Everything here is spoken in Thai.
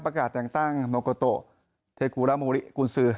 ประกาศแต่งตั้งมโกโตเทคุรมูลิคุณซือ